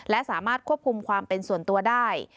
และสามารถควบคุมความเป็นส่วนตัวได้